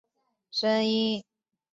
跟我一样的声音